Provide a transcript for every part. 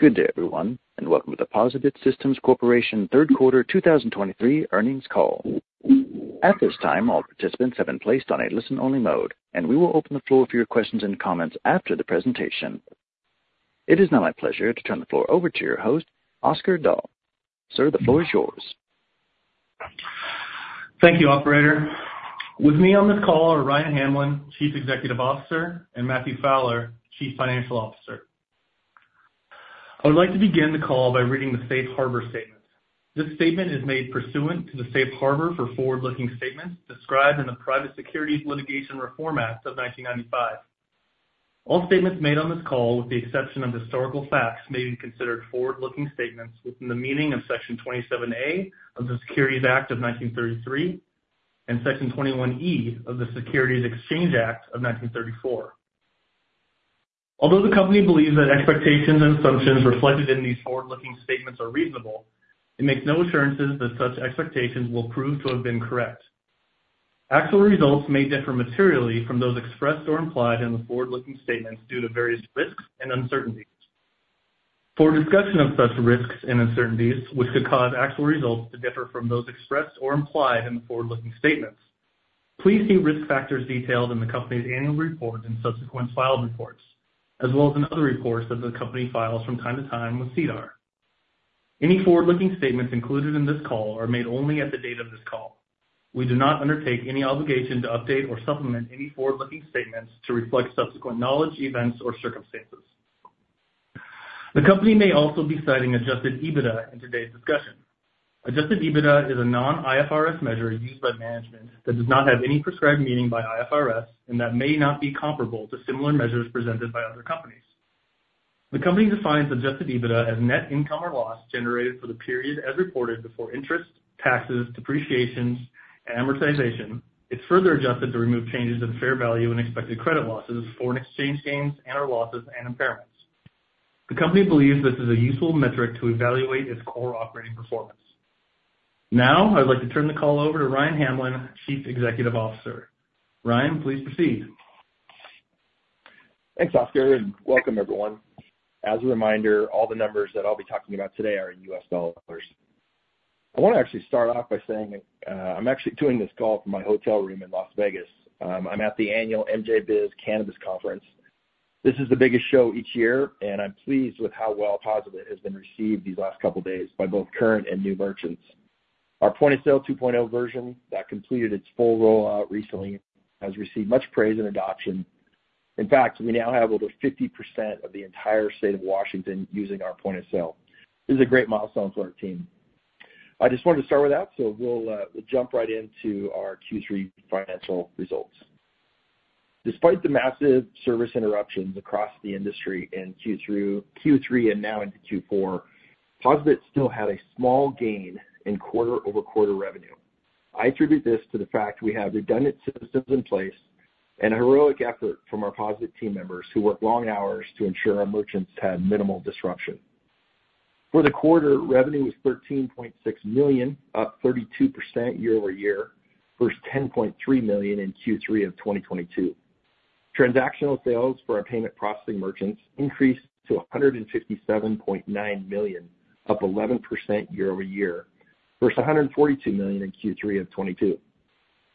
Good day, everyone, and welcome to the POSaBIT Systems Corporation third quarter 2023 earnings call. At this time, all participants have been placed on a listen-only mode, and we will open the floor for your questions and comments after the presentation. It is now my pleasure to turn the floor over to your host, Oscar Dahl. Sir, the floor is yours. Thank you, operator. With me on this call are Ryan Hamlin, Chief Executive Officer, and Matthew Fowler, Chief Financial Officer. I would like to begin the call by reading the Safe Harbor statement. This statement is made pursuant to the Safe Harbor for forward-looking statements described in the Private Securities Litigation Reform Act of 1995. All statements made on this call, with the exception of historical facts, may be considered forward-looking statements within the meaning of Section 27A of the Securities Act of 1933 and Section 21E of the Securities Exchange Act of 1934. Although the company believes that expectations and assumptions reflected in these forward-looking statements are reasonable, it makes no assurances that such expectations will prove to have been correct. Actual results may differ materially from those expressed or implied in the forward-looking statements due to various risks and uncertainties. For a discussion of such risks and uncertainties, which could cause actual results to differ from those expressed or implied in the forward-looking statements, please see risk factors detailed in the company's annual report and subsequent filed reports, as well as in other reports that the company files from time to time with SEDAR. Any forward-looking statements included in this call are made only at the date of this call. We do not undertake any obligation to update or supplement any forward-looking statements to reflect subsequent knowledge, events, or circumstances. The company may also be citing Adjusted EBITDA in today's discussion. Adjusted EBITDA is a non-IFRS measure used by management that does not have any prescribed meaning by IFRS and that may not be comparable to similar measures presented by other companies. The company defines Adjusted EBITDA as net income or loss generated for the period as reported before interest, taxes, depreciation, and amortization, is further adjusted to remove changes in fair value and expected credit losses, foreign exchange gains and/or losses and impairments. The company believes this is a useful metric to evaluate its core operating performance. Now, I'd like to turn the call over to Ryan Hamlin, Chief Executive Officer. Ryan, please proceed. Thanks, Oscar, and welcome, everyone. As a reminder, all the numbers that I'll be talking about today are in U.S. dollars. I want to actually start off by saying that, I'm actually doing this call from my hotel room in Las Vegas. I'm at the annual MJBiz Cannabis Conference. This is the biggest show each year, and I'm pleased with how well POSaBIT has been received these last couple of days by both current and new merchants. Our point-of-sale 2.0 version that completed its full rollout recently, has received much praise and adoption. In fact, we now have over 50% of the entire state of Washington using our point of sale. This is a great milestone for our team. I just wanted to start with that, so we'll jump right into our Q3 financial results. Despite the massive service interruptions across the industry in Q3, Q3 and now into Q4, POSaBIT still had a small gain in quarter-over-quarter revenue. I attribute this to the fact we have redundant systems in place and a heroic effort from our POSaBIT team members, who work long hours to ensure our merchants had minimal disruption. For the quarter, revenue was $13.6 million, up 32% year-over-year, versus $10.3 million in Q3 of 2022. Transactional sales for our payment processing merchants increased to $157.9 million, up 11% year-over-year, versus $142 million in Q3 of 2022.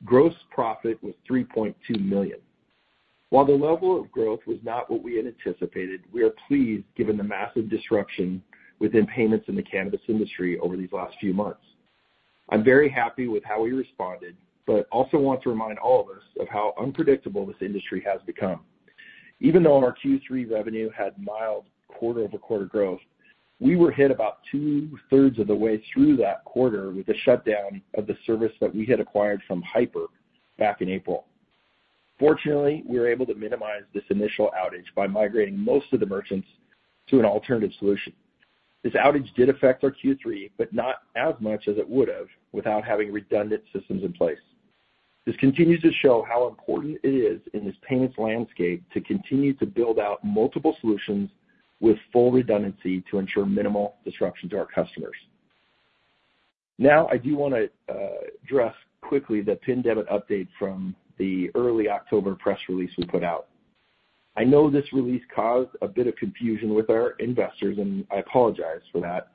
Gross profit was $3.2 million. While the level of growth was not what we had anticipated, we are pleased given the massive disruption within payments in the cannabis industry over these last few months. I'm very happy with how we responded, but also want to remind all of us of how unpredictable this industry has become. Even though our Q3 revenue had mild quarter-over-quarter growth, we were hit about two-thirds of the way through that quarter with the shutdown of the service that we had acquired from Hypur back in April. Fortunately, we were able to minimize this initial outage by migrating most of the merchants to an alternative solution. This outage did affect our Q3, but not as much as it would have without having redundant systems in place. This continues to show how important it is in this payments landscape to continue to build out multiple solutions with full redundancy to ensure minimal disruption to our customers. Now, I do want to, address quickly the PIN debit update from the early October press release we put out. I know this release caused a bit of confusion with our investors, and I apologize for that,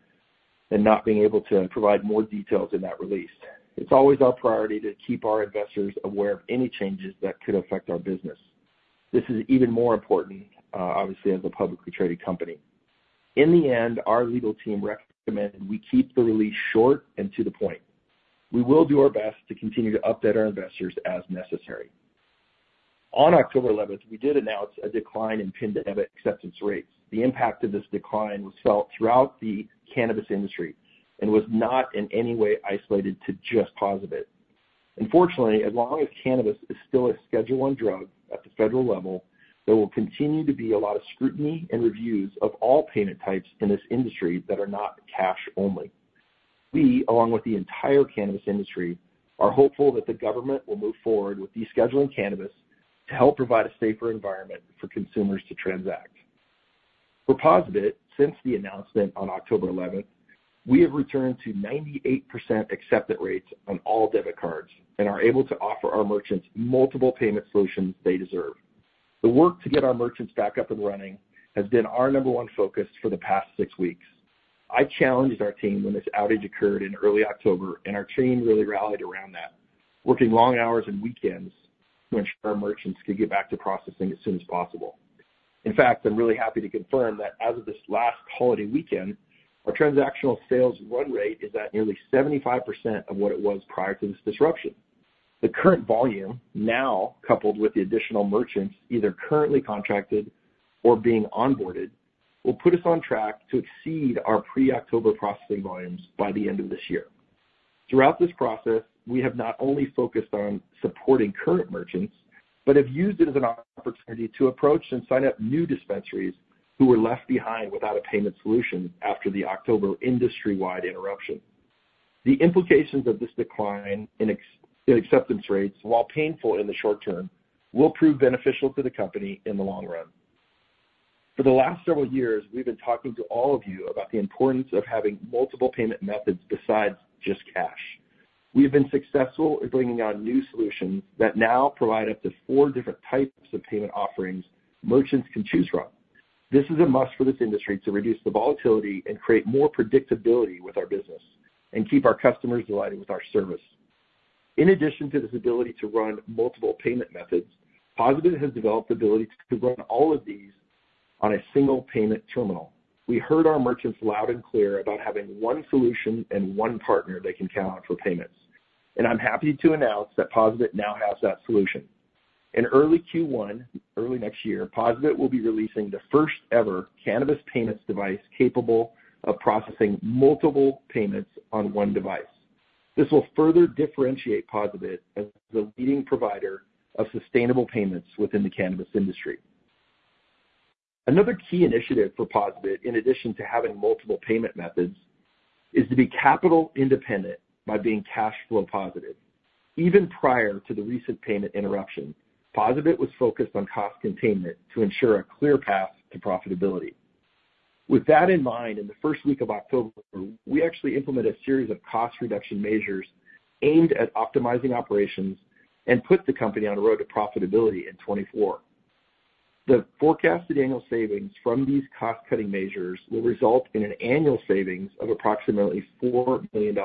and not being able to provide more details in that release. It's always our priority to keep our investors aware of any changes that could affect our business. This is even more important, obviously, as a publicly traded company. In the end, our legal team recommended we keep the release short and to the point. We will do our best to continue to update our investors as necessary. On October 11th, we did announce a decline in PIN debit acceptance rates. The impact of this decline was felt throughout the cannabis industry and was not in any way isolated to just POSaBIT. Unfortunately, as long as cannabis is still a Schedule I drug at the federal level, there will continue to be a lot of scrutiny and reviews of all payment types in this industry that are not cash only. We, along with the entire cannabis industry, are hopeful that the government will move forward with descheduling cannabis to help provide a safer environment for consumers to transact. For POSaBIT, since the announcement on October 11, we have returned to 98% acceptance rates on all debit cards and are able to offer our merchants multiple payment solutions they deserve. The work to get our merchants back up and running has been our number one focus for the past six weeks. I challenged our team when this outage occurred in early October, and our team really rallied around that, working long hours and weekends to ensure our merchants could get back to processing as soon as possible. In fact, I'm really happy to confirm that as of this last holiday weekend, our transactional sales run rate is at nearly 75% of what it was prior to this disruption. The current volume, now coupled with the additional merchants either currently contracted or being onboarded, will put us on track to exceed our pre-October processing volumes by the end of this year. Throughout this process, we have not only focused on supporting current merchants, but have used it as an opportunity to approach and sign up new dispensaries who were left behind without a payment solution after the October industry-wide interruption. The implications of this decline in acceptance rates, while painful in the short term, will prove beneficial to the company in the long run. For the last several years, we've been talking to all of you about the importance of having multiple payment methods besides just cash. We have been successful in bringing on new solutions that now provide up to four different types of payment offerings merchants can choose from. This is a must for this industry to reduce the volatility and create more predictability with our business and keep our customers delighted with our service. In addition to this ability to run multiple payment methods, POSaBIT has developed the ability to run all of these on a single payment terminal. We heard our merchants loud and clear about having one solution and one partner they can count on for payments, and I'm happy to announce that POSaBIT now has that solution. In early Q1, early next year, POSaBIT will be releasing the first-ever cannabis payments device capable of processing multiple payments on one device. This will further differentiate POSaBIT as the leading provider of sustainable payments within the cannabis industry. Another key initiative for POSaBIT, in addition to having multiple payment methods, is to be capital independent by being cash flow positive. Even prior to the recent payment interruption, POSaBIT was focused on cost containment to ensure a clear path to profitability. With that in mind, in the first week of October, we actually implemented a series of cost reduction measures aimed at optimizing operations and put the company on the road to profitability in 2024. The forecasted annual savings from these cost-cutting measures will result in an annual savings of approximately $4 million.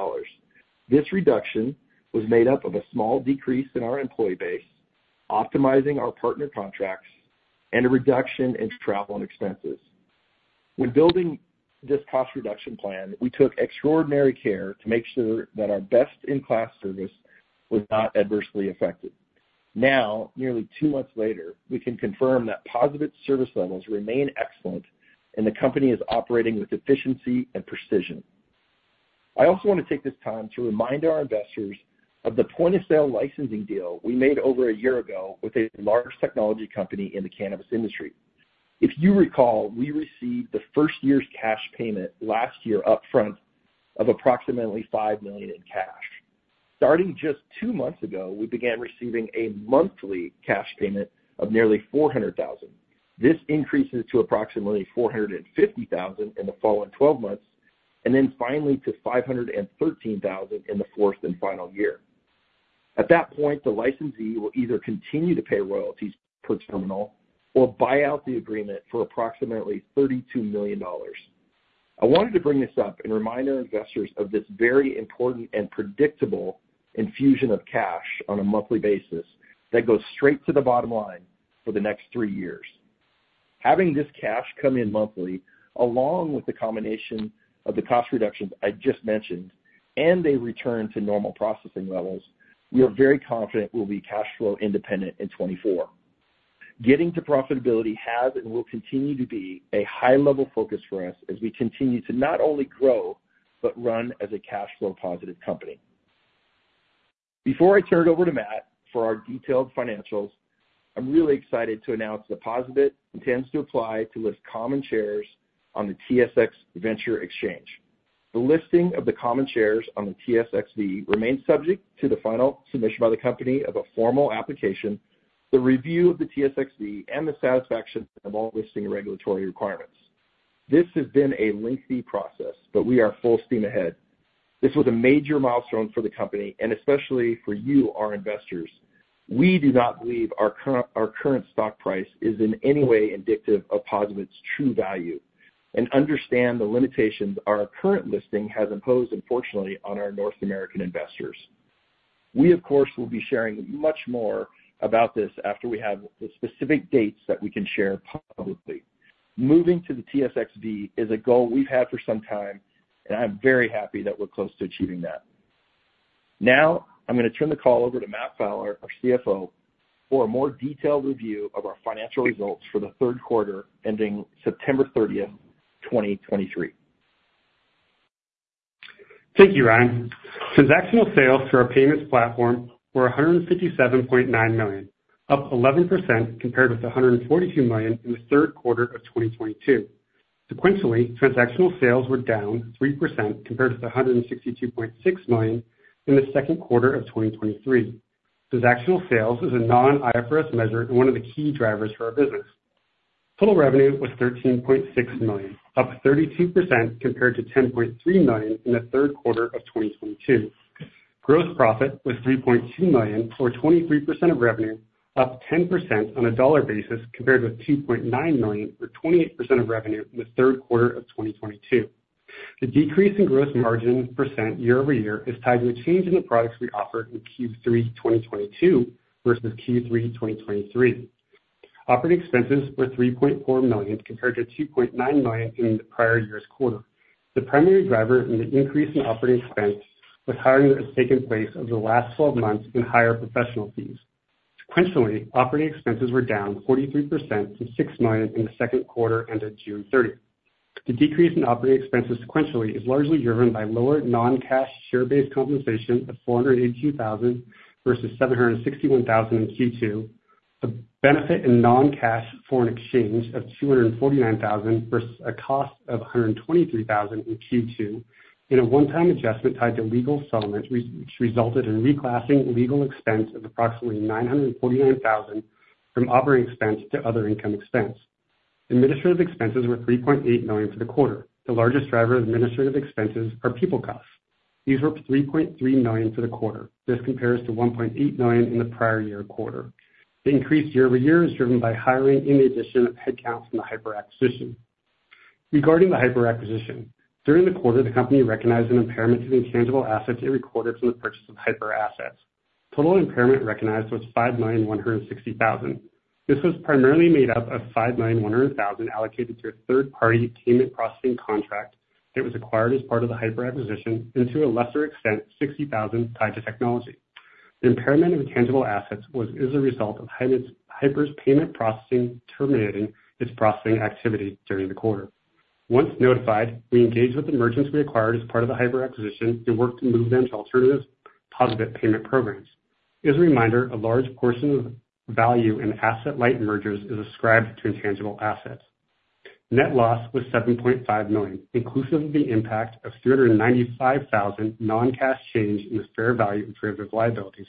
This reduction was made up of a small decrease in our employee base, optimizing our partner contracts, and a reduction in travel and expenses. When building this cost reduction plan, we took extraordinary care to make sure that our best-in-class service was not adversely affected. Now, nearly two months later, we can confirm that POSaBIT service levels remain excellent and the company is operating with efficiency and precision. I also want to take this time to remind our investors of the point-of-sale licensing deal we made over a year ago with a large technology company in the cannabis industry. If you recall, we received the first year's cash payment last year upfront of approximately $5 million in cash. Starting just two months ago, we began receiving a monthly cash payment of nearly $400,000. This increases to approximately $450,000 in the following 12 months, and then finally to $513,000 in the fourth and final year. At that point, the licensee will either continue to pay royalties per terminal or buy out the agreement for approximately $32 million. I wanted to bring this up and remind our investors of this very important and predictable infusion of cash on a monthly basis that goes straight to the bottom line for the next three years. Having this cash come in monthly, along with the combination of the cost reductions I just mentioned and a return to normal processing levels, we are very confident we'll be cash flow independent in 2024. Getting to profitability has and will continue to be a high-level focus for us as we continue to not only grow, but run as a cash flow positive company. Before I turn it over to Matt for our detailed financials, I'm really excited to announce that POSaBIT intends to apply to list common shares on the TSX Venture Exchange. The listing of the common shares on the TSXV remains subject to the final submission by the company of a formal application, the review of the TSXV, and the satisfaction of all listing and regulatory requirements. This has been a lengthy process, but we are full steam ahead. This was a major milestone for the company and especially for you, our investors. We do not believe our current stock price is in any way indicative of POSaBIT's true value and understand the limitations our current listing has imposed, unfortunately, on our North American investors. We, of course, will be sharing much more about this after we have the specific dates that we can share publicly. Moving to the TSXV is a goal we've had for some time, and I'm very happy that we're close to achieving that. Now, I'm going to turn the call over to Matt Fowler, our CFO, for a more detailed review of our financial results for the third quarter, ending September 30, 2023. Thank you, Ryan. Transactional sales through our payments platform were $157.9 million, up 11% compared with $142 million in the third quarter of 2022. Sequentially, transactional sales were down 3% compared to the $162.6 million in the second quarter of 2023. Transactional sales is a non-IFRS measure and one of the key drivers for our business....Total revenue was $13.6 million, up 32% compared to $10.3 million in the third quarter of 2022. Gross profit was $3.2 million, or 23% of revenue, up 10% on a dollar basis compared with $2.9 million, or 28% of revenue in the third quarter of 2022. The decrease in gross margin percent year-over-year is tied to a change in the products we offered in Q3 2022 versus Q3 2023. Operating expenses were $3.4 million compared to $2.9 million in the prior year's quarter. The primary driver in the increase in operating expense was hiring that has taken place over the last 12 months and higher professional fees. Sequentially, operating expenses were down 43% to $6 million in the second quarter ended June 30. The decrease in operating expenses sequentially is largely driven by lower non-cash share-based compensation of $418,000 versus $761,000 in Q2, a benefit in non-cash foreign exchange of $249,000 versus a cost of $123,000 in Q2, and a one-time adjustment tied to legal settlement, which resulted in reclassing legal expense of approximately $949,000 from operating expense to other income expense. Administrative expenses were $3.8 million for the quarter. The largest driver of administrative expenses are people costs. These were $3.3 million for the quarter. This compares to $1.8 million in the prior year quarter. The increase year-over-year is driven by hiring and the addition of headcounts from the Hypur acquisition. Regarding the Hypur acquisition, during the quarter, the company recognized an impairment to the intangible assets it recorded from the purchase of Hypur assets. Total impairment recognized was $5.16 million. This was primarily made up of $5.1 million allocated to a third-party payment processing contract that was acquired as part of the Hypur acquisition, and to a lesser extent, $60,000 tied to technology. The impairment of intangible assets was as a result of Hypur's payment processing terminating its processing activity during the quarter. Once notified, we engaged with the merchants we acquired as part of the Hypur acquisition and worked to move them to alternative POSaBIT payment programs. As a reminder, a large portion of value in asset-light mergers is ascribed to intangible assets. Net loss was $7.5 million, inclusive of the impact of $395,000 non-cash change in the fair value of derivative liabilities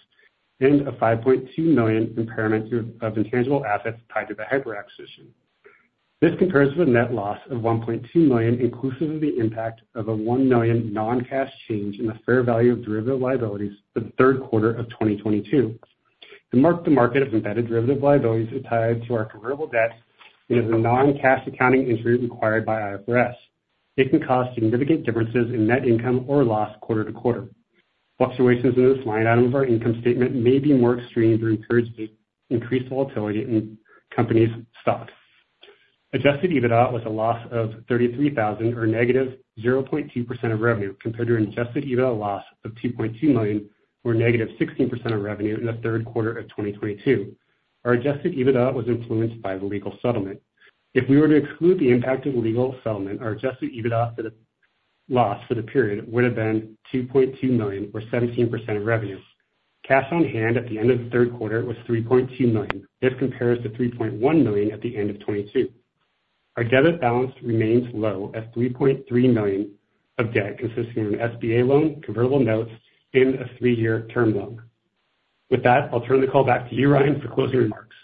and a $5.2 million impairment of intangible assets tied to the Hypur acquisition. This compares to a net loss of $1.2 million, inclusive of the impact of a $1 million non-cash change in the fair value of derivative liabilities for the third quarter of 2022. The mark-to-market of embedded derivative liabilities is tied to our convertible debt and is a non-cash accounting entry required by IFRS. It can cause significant differences in net income or loss quarter to quarter. Fluctuations in this line item of our income statement may be more extreme to encourage the increased volatility in company's stock. Adjusted EBITDA was a loss of $33,000, or -0.2% of revenue, compared to an adjusted EBITDA loss of $2.2 million, or -16% of revenue in the third quarter of 2022. Our adjusted EBITDA was influenced by the legal settlement. If we were to exclude the impact of the legal settlement, our adjusted EBITDA for the loss for the period would have been $2.2 million, or 17% of revenue. Cash on hand at the end of the third quarter was $3.2 million. This compares to $3.1 million at the end of 2022. Our debted balance remains low at $3.3 million of debt, consisting of an SBA loan, convertible notes, and a three-year term loan. With that, I'll turn the call back to you, Ryan, for closing remarks.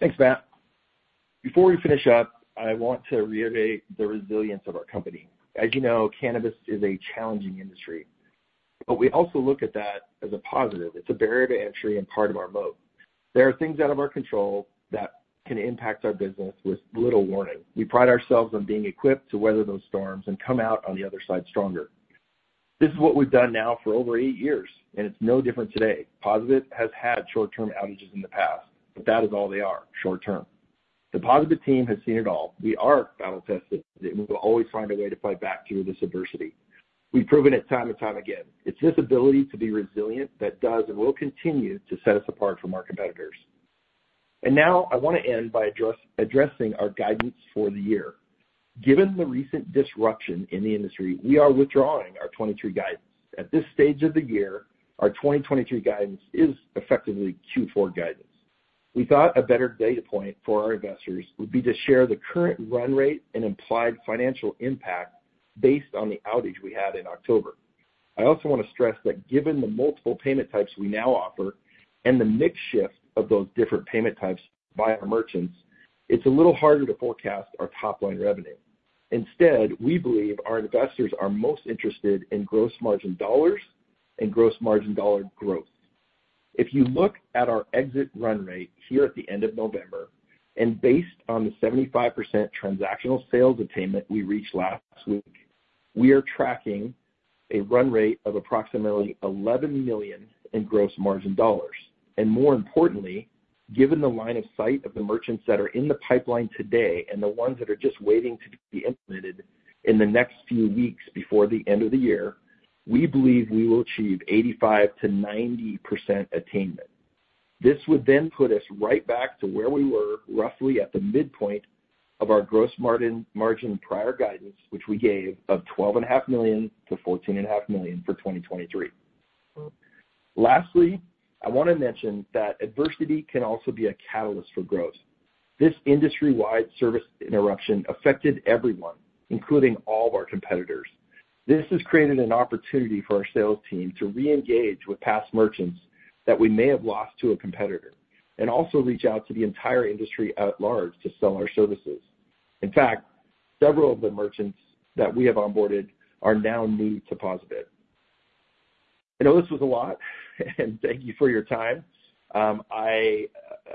Thanks, Matt. Before we finish up, I want to reiterate the resilience of our company. As you know, cannabis is a challenging industry, but we also look at that as a positive. It's a barrier to entry and part of our moat. There are things out of our control that can impact our business with little warning. We pride ourselves on being equipped to weather those storms and come out on the other side stronger. This is what we've done now for over eight years, and it's no different today. Positive has had short-term outages in the past, but that is all they are, short-term. The Positive team has seen it all. We are battle-tested, and we will always find a way to fight back through this adversity. We've proven it time and time again. It's this ability to be resilient that does and will continue to set us apart from our competitors. Now, I want to end by addressing our guidance for the year. Given the recent disruption in the industry, we are withdrawing our 2023 guidance. At this stage of the year, our 2023 guidance is effectively Q4 guidance. We thought a better data point for our investors would be to share the current run rate and implied financial impact based on the outage we had in October. I also want to stress that given the multiple payment types we now offer and the mix shift of those different payment types by our merchants, it's a little harder to forecast our top-line revenue. Instead, we believe our investors are most interested in gross margin dollars and gross margin dollar growth. If you look at our exit run rate here at the end of November, and based on the 75% transactional sales attainment we reached last week, we are tracking a run rate of approximately $11 million in gross margin dollars. And more importantly, given the line of sight of the merchants that are in the pipeline today and the ones that are just waiting to be implemented in the next few weeks before the end of the year, we believe we will achieve 85%-90% attainment. This would then put us right back to where we were roughly at the midpoint of our gross margin, margin prior guidance, which we gave of $12.5 million-$14.5 million for 2023. Lastly, I want to mention that adversity can also be a catalyst for growth. This industry-wide service interruption affected everyone, including all of our competitors. This has created an opportunity for our sales team to reengage with past merchants that we may have lost to a competitor, and also reach out to the entire industry at large to sell our services. In fact, several of the merchants that we have onboarded are now new to POSaBIT. I know this was a lot, and thank you for your time. I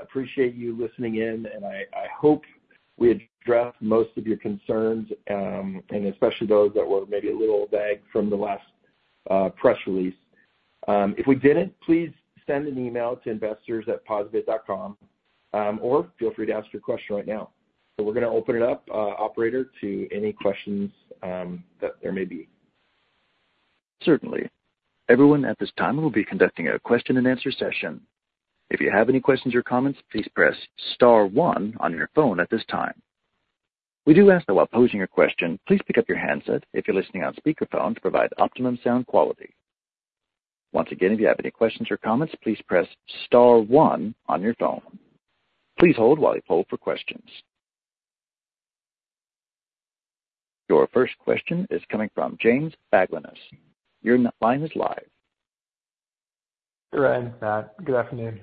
appreciate you listening in, and I hope we addressed most of your concerns, and especially those that were maybe a little vague from the last press release. If we didn't, please send an email to investors@posabit.com, or feel free to ask your question right now. So we're gonna open it up, operator, to any questions that there may be. Certainly. Everyone at this time, we'll be conducting a question and answer session. If you have any questions or comments, please press star one on your phone at this time. We do ask that while posing your question, please pick up your handset if you're listening on speakerphone, to provide optimum sound quality. Once again, if you have any questions or comments, please press star one on your phone. Please hold while we poll for questions. Your first question is coming from James Baglanis. Your line is live. Right, Matt, good afternoon.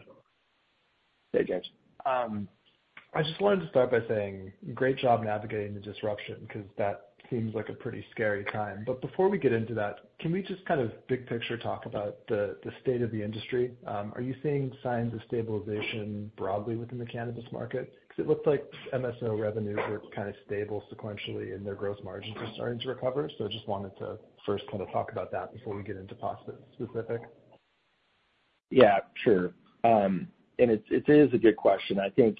Hey, James. I just wanted to start by saying great job navigating the disruption, because that seems like a pretty scary time. But before we get into that, can we just kind of big picture talk about the state of the industry? Are you seeing signs of stabilization broadly within the cannabis market? Because it looks like MSO revenues were kind of stable sequentially, and their growth margins are starting to recover. So I just wanted to first kind of talk about that before we get into POSaBIT specific. Yeah, sure. And it is a good question. I think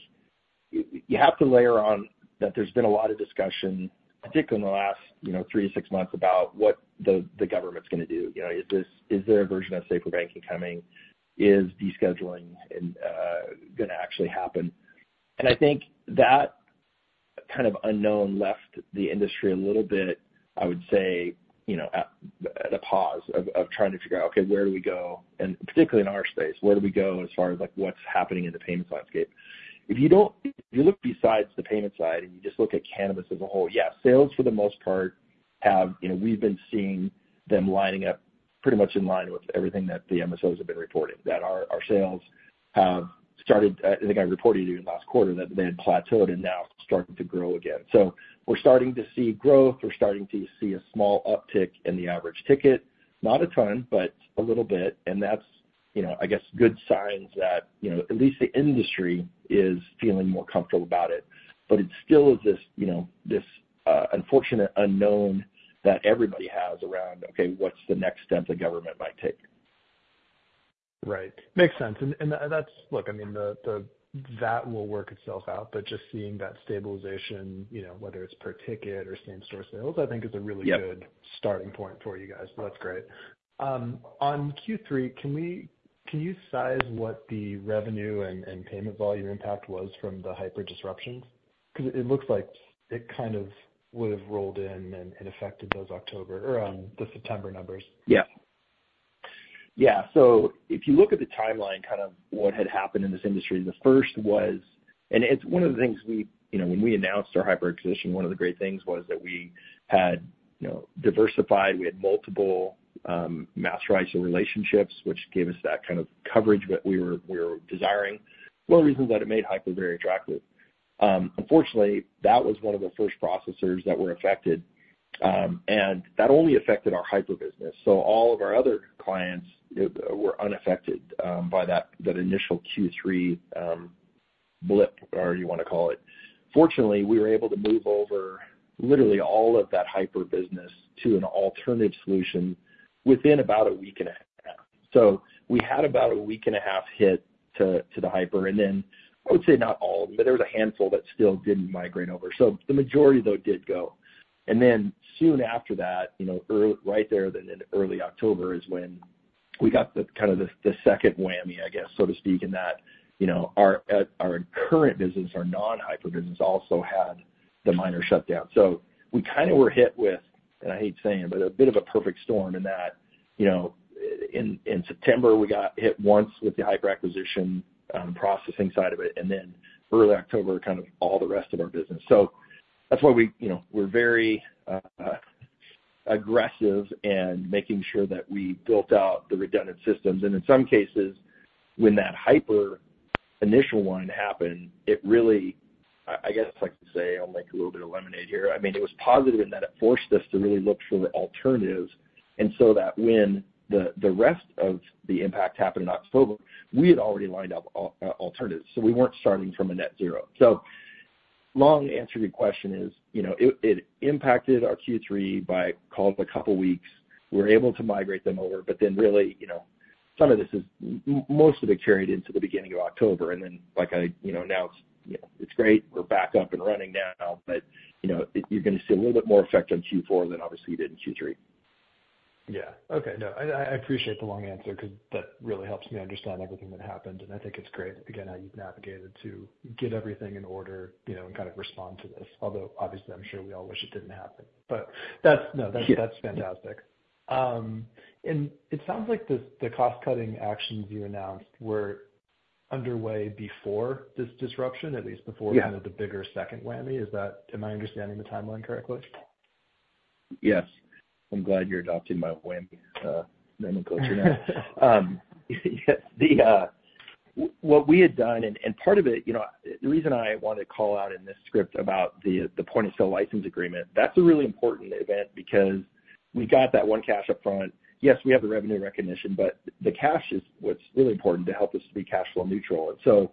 you have to layer on that there's been a lot of discussion, particularly in the last, you know, 3-6 months, about what the government's gonna do. You know, is this- is there a version of SAFER Banking coming? Is descheduling gonna actually happen? And I think that kind of unknown left the industry a little bit, I would say, you know, at a pause of trying to figure out, okay, where do we go? And particularly in our space, where do we go as far as, like, what's happening in the payments landscape? If you look besides the payment side, and you just look at cannabis as a whole, yeah, sales, for the most part, have, you know, we've been seeing them lining up pretty much in line with everything that the MSOs have been reporting. That our sales have started, I think I reported to you last quarter, that they had plateaued and now starting to grow again. So we're starting to see growth. We're starting to see a small uptick in the average ticket. Not a ton, but a little bit, and that's, you know, I guess, good signs that, you know, at least the industry is feeling more comfortable about it. But it still is this, you know, this unfortunate unknown that everybody has around, okay, what's the next step the government might take? Right. Makes sense. And that's... Look, I mean, that will work itself out, but just seeing that stabilization, you know, whether it's per ticket or same store sales, I think is a really- Yep Good starting point for you guys, so that's great. On Q3, can you size what the revenue and, and payment volume impact was from the Hypur disruptions? Because it, it looks like it kind of would've rolled in and, and affected those October, or, the September numbers. Yeah. Yeah, so if you look at the timeline, kind of what had happened in this industry, the first was. And it's one of the things we, you know, when we announced our Hypur acquisition, one of the great things was that we had, you know, diversified. We had multiple master licensing relationships, which gave us that kind of coverage that we were, we were desiring, one of the reasons that it made Hypur very attractive. Unfortunately, that was one of the first processors that were affected, and that only affected our Hypur business. So all of our other clients it were unaffected by that initial Q3 blip, or you want to call it. Fortunately, we were able to move over literally all of that Hypur business to an alternative solution within about a week and a half. So we had about a week and a half hit to the Hypur, and then I would say not all, but there was a handful that still didn't migrate over, so the majority, though, did go. And then soon after that, you know, right there in early October, is when we got the, kind of the, the second whammy, I guess, so to speak, in that, you know, our current business, our non-Hypur business, also had the minor shutdown. So we kind of were hit with, and I hate saying it, but a bit of a perfect storm in that, you know, in September, we got hit once with the Hypur acquisition, processing side of it, and then early October, kind of all the rest of our business. So that's why we, you know, we're very aggressive in making sure that we built out the redundant systems. And in some cases, when that Hypur initial one happened, it really, I, I guess I'd like to say, I'll make a little bit of lemonade here. I mean, it was positive in that it forced us to really look for the alternatives, and so that when the, the rest of the impact happened in October, we had already lined up alternatives, so we weren't starting from a net zero. So long answer to your question is, you know, it, it impacted our Q3 by call it a couple weeks. We were able to migrate them over, but then really, you know, some of this is most of it carried into the beginning of October, and then, like I, you know, announced, you know, it's great, we're back up and running now, but, you know, you're gonna see a little bit more effect on Q4 than obviously you did in Q3. Yeah. Okay. No, I, I appreciate the long answer because that really helps me understand everything that happened, and I think it's great, again, how you've navigated to get everything in order, you know, and kind of respond to this. Although obviously, I'm sure we all wish it didn't happen, but that's- Yeah. No, that's, that's fantastic. And it sounds like the cost-cutting actions you announced were underway before this disruption, at least before- Yeah. the bigger second whammy. Is that, am I understanding the timeline correctly? Yes. I'm glad you're adopting my wham nomenclature now. The what we had done, and part of it, you know, the reason I want to call out in this script about the point-of-sale license agreement, that's a really important event because we got that one cash upfront. Yes, we have the revenue recognition, but the cash is what's really important to help us be cash flow neutral. And so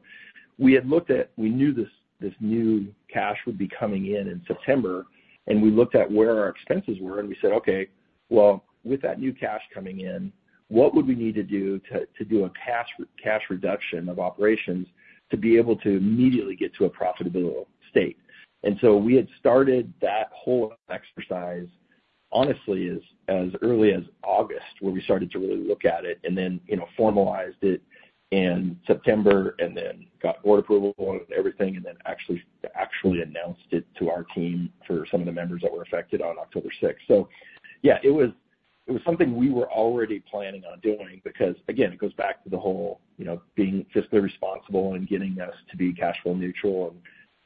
we had looked at, we knew this, this new cash would be coming in in September, and we looked at where our expenses were, and we said, "Okay, well, with that new cash coming in, what would we need to do to, to do a cash, cash reduction of operations to be able to immediately get to a profitability state?" And so we had started that whole exercise, honestly, as, as early as August, where we started to really look at it and then, you know, formalized it in September and then got board approval and everything, and then actually, actually announced it to our team, for some of the members that were affected, on October 6th. So yeah, it was something we were already planning on doing because, again, it goes back to the whole, you know, being fiscally responsible and getting us to be cash flow neutral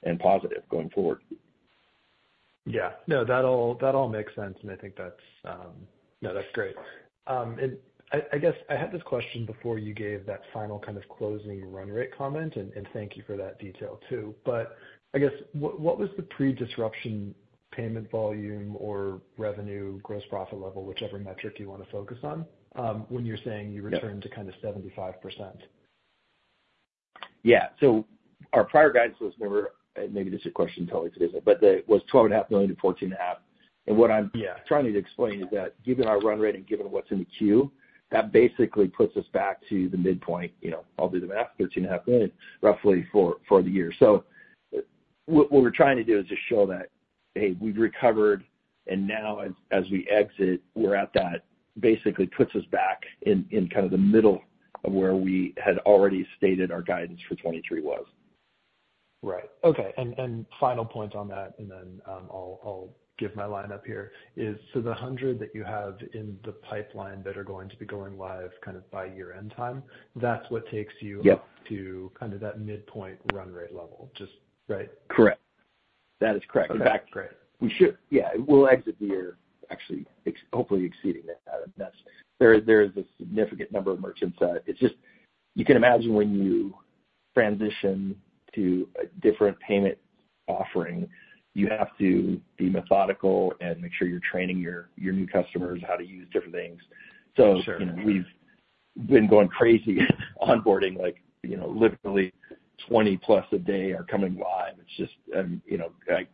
and positive going forward. Yeah. No, that all makes sense, and I think that's, no, that's great. And I guess I had this question before you gave that final kind of closing run rate comment, and thank you for that detail too. But I guess, what was the pre-disruption payment volume or revenue, gross profit level, whichever metric you want to focus on, when you're saying- Yep. -you returned to kind of 75%? Yeah. So our prior guidance was more, maybe this is a question to totally revisit, but it was $12.5 million-$14.5 million. And what I'm- Yeah Trying to explain is that given our run rate and given what's in the queue, that basically puts us back to the midpoint. You know, I'll do the math, $13.5 million, roughly, for the year. So what we're trying to do is just show that, hey, we've recovered, and now as we exit, we're at that, basically puts us back in kind of the middle of where we had already stated our guidance for 2023 was. Right. Okay, and final point on that, and then, I'll give my line up here, is so the 100 that you have in the pipeline that are going to be going live kind of by year-end time, that's what takes you- Yep up to kind of that midpoint run rate level, just, right? Correct. That is correct. Okay, great. In fact, we should. Yeah, we'll exit the year actually hopefully exceeding that. That's, there is a significant number of merchants that, it's just, you can imagine when you transition to a different payment offering, you have to be methodical and make sure you're training your new customers how to use different things. Sure. So, you know, we've been going crazy onboarding, like, you know, literally 20+ a day are coming live. It's just, you know, I,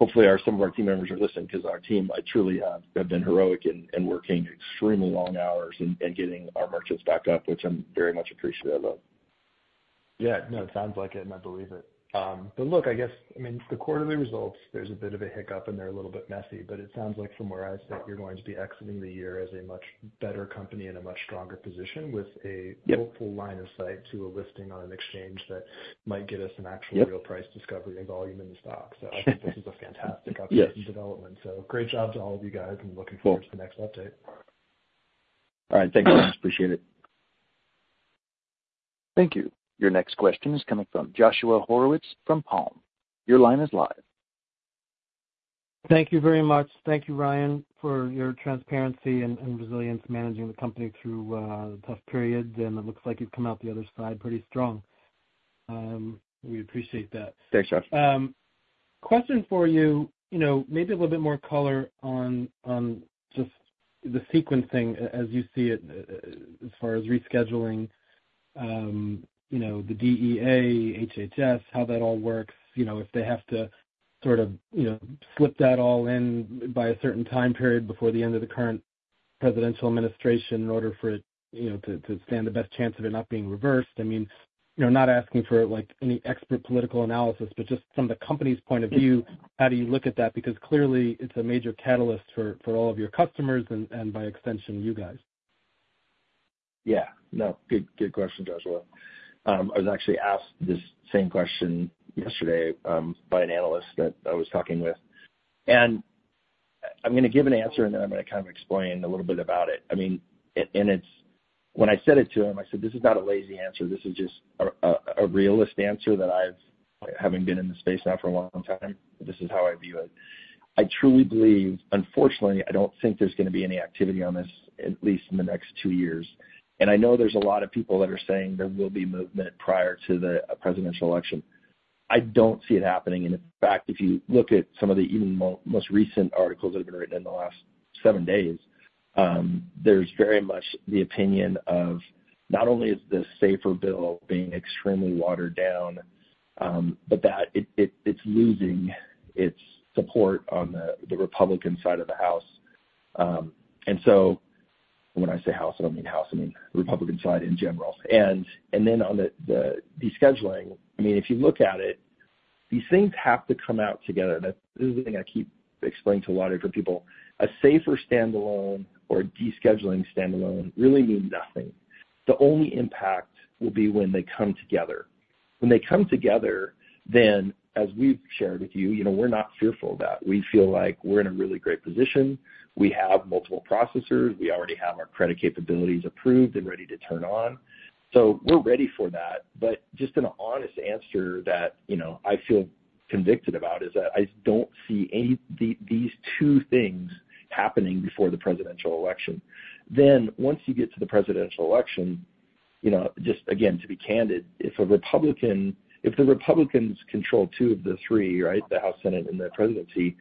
hopefully, our, some of our team members are listening because our team truly have been heroic and, and working extremely long hours and, and getting our merchants back up, which I'm very much appreciative of. Yeah, no, it sounds like it, and I believe it. But look, I guess, I mean, the quarterly results, there's a bit of a hiccup, and they're a little bit messy, but it sounds like from where I sit, you're going to be exiting the year as a much better company in a much stronger position- Yep with a hopeful line of sight to a listing on an exchange that might get us an actual- Yep real price discovery and volume in the stock. So I think this is a fantastic opportunity. Yes in development. Great job to all of you guys. Well- I'm looking forward to the next update. All right. Thank you. Appreciate it. Thank you. Your next question is coming from Joshua Horowitz from Palm. Your line is live. Thank you very much. Thank you, Ryan, for your transparency and resilience managing the company through the tough period, and it looks like you've come out the other side pretty strong. We appreciate that. Thanks, Josh. Question for you, you know, maybe a little bit more color on just the sequencing as you see it, as far as rescheduling, you know, the DEA, HHS, how that all works. You know, if they have to sort of, you know, slip that all in by a certain time period before the end of the current presidential administration, in order for it, you know, to stand the best chance of it not being reversed. I mean, you know, not asking for, like, any expert political analysis, but just from the company's point of view, how do you look at that? Because clearly, it's a major catalyst for all of your customers and, by extension, you guys. Yeah. No, good, good question, Joshua. I was actually asked this same question yesterday by an analyst that I was talking with, and I'm gonna give an answer, and then I'm gonna kind of explain a little bit about it. I mean, and it's, when I said it to him, I said: This is not a lazy answer, this is just a realist answer that, having been in the space now for a long time, this is how I view it. I truly believe, unfortunately, I don't think there's going to be any activity on this, at least in the next two years. And I know there's a lot of people that are saying there will be movement prior to the presidential election. I don't see it happening, and in fact, if you look at some of the even most recent articles that have been written in the last seven days, there's very much the opinion of not only is the SAFER bill being extremely watered down, but that it's losing its support on the Republican side of the house. And so when I say House, I don't mean House, I mean the Republican side in general. And then on the descheduling, I mean, if you look at it, these things have to come out together. That's the thing I keep explaining to a lot of different people. A SAFER standalone or a descheduling standalone really means nothing. The only impact will be when they come together. When they come together, then, as we've shared with you, you know, we're not fearful of that. We feel like we're in a really great position. We have multiple processors. We already have our credit capabilities approved and ready to turn on, so we're ready for that. But just an honest answer that, you know, I feel convicted about is that I don't see any, these, these two things happening before the presidential election. Then once you get to the presidential election, you know, just again, to be candid, if a Republican, if the Republicans control two of the three, right, the House, Senate, and the presidency,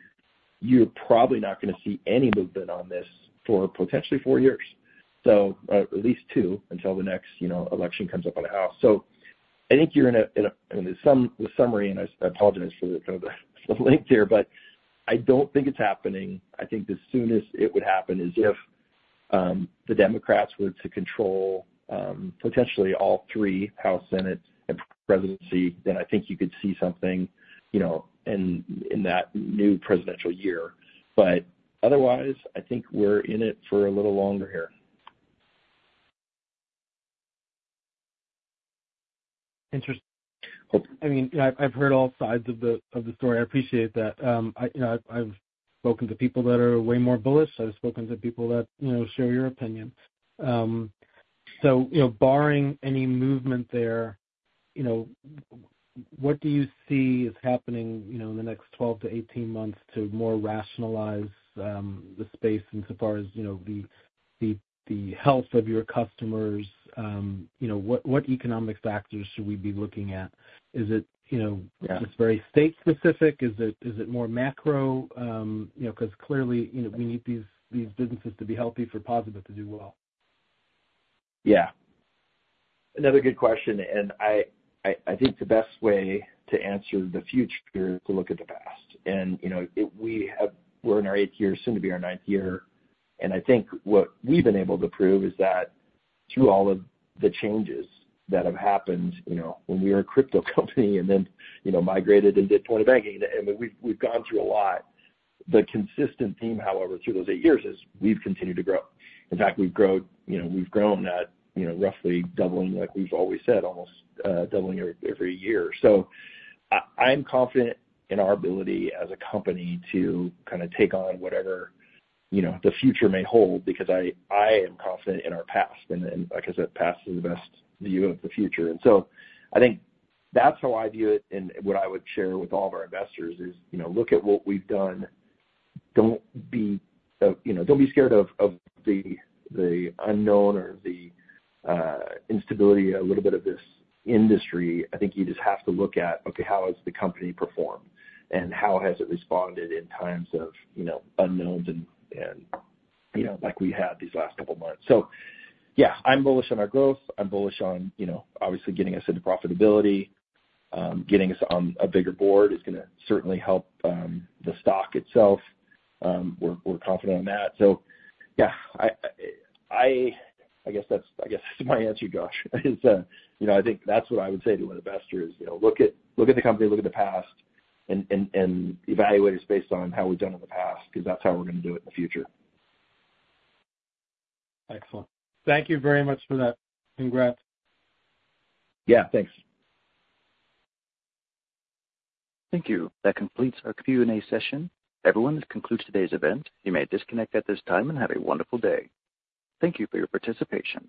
you're probably not gonna see any movement on this for potentially four years. So, at least two, until the next, you know, election comes up on the House. So I think you're in a, I mean, the summary, and I apologize for the kind of length here, but I don't think it's happening. I think the soonest it would happen is if the Democrats were to control potentially all three, House, Senate, and presidency, then I think you could see something, you know, in that new presidential year. But otherwise, I think we're in it for a little longer here. Interesting. I mean, I've heard all sides of the story. I appreciate that. I, you know, I've spoken to people that are way more bullish. I've spoken to people that, you know, share your opinion. So, you know, barring any movement there, you know, what do you see is happening, you know, in the next 12-18 months to more rationalize the space in so far as, you know, the health of your customers? You know, what economic factors should we be looking at? Is it, you know- Yeah. Just very state specific? Is it, is it more macro? You know, 'cause clearly, you know, we need these, these businesses to be healthy for POSaBIT to do well. Yeah. Another good question, and I think the best way to answer the future is to look at the past. And, you know, it—we have, we're in our eighth year, soon to be our ninth year, and I think what we've been able to prove is that through all of the changes that have happened, you know, when we were a crypto company, and then, you know, migrated and did point-of-banking, and we've gone through a lot, the consistent theme, however, through those eight years is we've continued to grow. In fact, we've grown, you know, we've grown at, you know, roughly doubling, like we've always said, almost doubling every year. So I'm confident in our ability as a company to kind of take on whatever, you know, the future may hold because I am confident in our past. Like I said, past is the best view of the future. And so I think that's how I view it, and what I would share with all of our investors is, you know, look at what we've done. Don't be, you know, don't be scared of the unknown or the instability, a little bit of this industry. I think you just have to look at, okay, how has the company performed, and how has it responded in times of, you know, unknowns and, you know, like we had these last couple months. So yeah, I'm bullish on our growth. I'm bullish on, you know, obviously getting us into profitability. Getting us on a bigger board is gonna certainly help the stock itself. We're confident on that. So yeah, I guess that's my answer, Josh. You know, I think that's what I would say to an investor is, you know, look at the company, look at the past, and evaluate us based on how we've done in the past, 'cause that's how we're gonna do it in the future. Excellent. Thank you very much for that. Congrats. Yeah, thanks. Thank you. That completes our Q&A session. Everyone, this concludes today's event. You may disconnect at this time and have a wonderful day. Thank you for your participation.